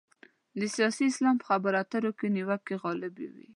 د سیاسي اسلام په خبرو اترو کې نیوکې غالب وي.